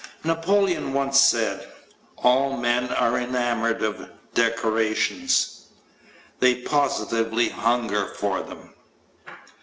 Napoleon once said, "All men are enamored of decorations ... they positively hunger for them."